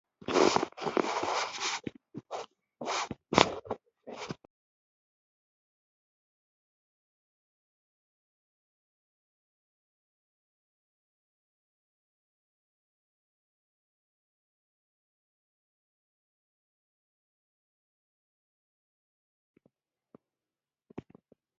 په کابل کې د لیدو وعده سره وکړه.